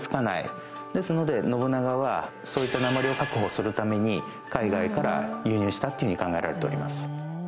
ですので信長はそういった鉛を確保するために海外から輸入したというふうに考えられております。